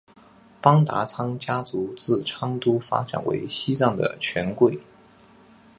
邦达仓家族自昌都发展为西藏的权贵。